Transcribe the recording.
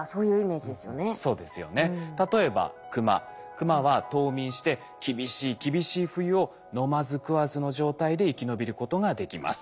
クマは冬眠して厳しい厳しい冬を飲まず食わずの状態で生き延びることができます。